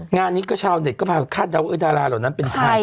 งานนี้ก็ชาวเน็ตก็พาคาดเดาว่าดาราเหล่านั้นเป็นใคร